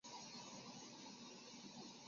小籽口药花为龙胆科口药花属下的一个种。